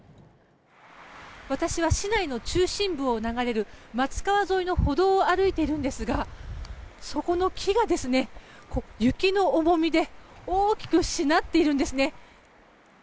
私は市内の中心部を流れる松川沿いの歩道を歩いているんですがそこの木が雪の重みで大きくしなっているんですね。